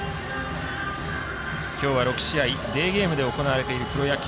きょうは６試合デーゲームで行われているプロ野球。